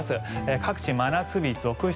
各地、真夏日続出。